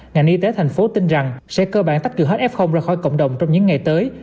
ngành y tế thành phố tin rằng sẽ cơ bản tách cửa hết f ra khỏi cộng đồng trong những ngày tới